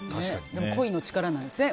恋の力なんですね。